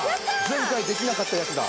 前回できなかったやつだ。